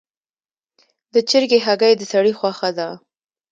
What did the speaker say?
د چرګې هګۍ د سړي خوښه ده.